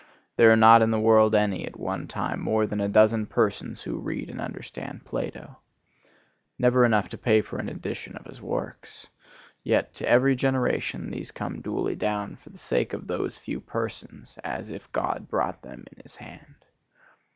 There are not in the world at any one time more than a dozen persons who read and understand Plato,—never enough to pay for an edition of his works; yet to every generation these come duly down, for the sake of those few persons, as if God brought them in his hand.